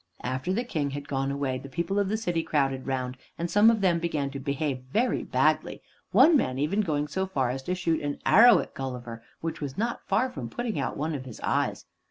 After the King had gone away the people of the city crowded round, and some of them began to behave very badly, one man even going so far as to shoot an arrow at Gulliver which was not far from putting out one of his eyes.